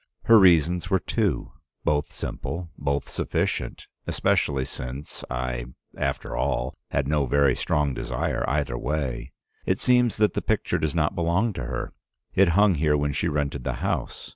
Her reasons were two; both simple, both sufficient, especially since I, after all, had no very strong desire either way. It seems that the picture does not belong to her. It hung here when she rented the house.